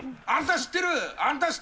あんた知ってる！